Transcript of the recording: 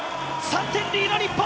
３点リード、日本！